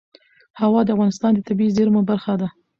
هوا د افغانستان د طبیعي زیرمو برخه ده.